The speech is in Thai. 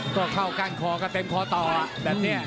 ก็เข้าก้านคอก็เต็มคอต่อแบบนี้